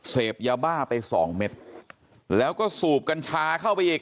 เสพยาบ้าไปสองเม็ดแล้วก็สูบกัญชาเข้าไปอีก